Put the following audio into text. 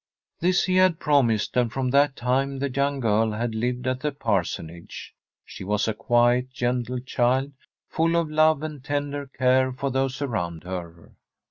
This he had promised, and from that time the young girl had lived at the parsonage. She was a quiet, gentle child, full of love and tender care for those around her.